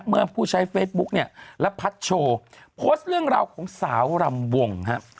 เมื่อผู้ใช้เฟซบุ๊กเนี่ยและพัดโชว์โพสต์เรื่องราวของสาวรำวงฮะ